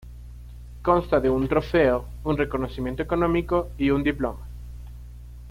Consta de un trofeo, un reconocimiento económico y un diploma.